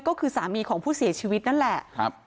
ก็คือสามีของผู้เสียชีวิตนั่นแหละ